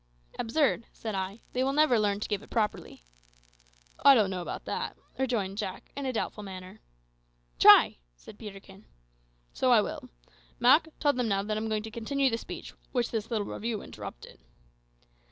"Absurd," said I; "they will never learn to give it properly." "I don't know that," rejoined Jack, in a doubtful manner. "Try," said Peterkin. "So I will. Mak, tell them now that I'm going to continue the speech which this little review interrupted."